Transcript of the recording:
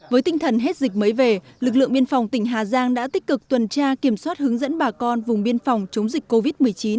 với tinh thần hết dịch mới về lực lượng biên phòng tỉnh hà giang đã tích cực tuần tra kiểm soát hướng dẫn bà con vùng biên phòng chống dịch covid một mươi chín